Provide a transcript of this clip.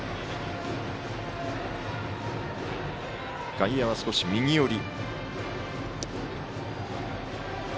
外野は少し右寄り。